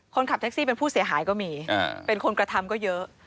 คนขับแท็กซี่เป็นผู้เสียหายก็มีเป็นคนกระทำก็เยอะ